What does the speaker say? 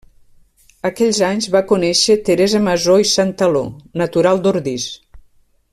Aquells anys va conèixer Teresa Masó i Santaló, natural d'Ordis.